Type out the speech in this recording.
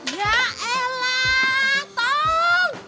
ya elah tolong